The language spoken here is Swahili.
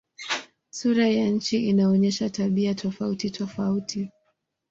Sura ya nchi inaonyesha tabia tofautitofauti.